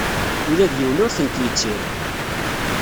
Ula d yiwen ur tent-yettir.